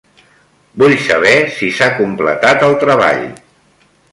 Vull saber si s'ha completat el treball.